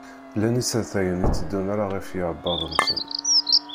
Llan isertayen iteddun ala ɣef yiɛebbaḍ-sen.